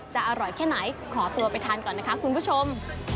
จะอร่อยแค่ไหนขอตัวไปทานก่อนนะคะคุณผู้ชม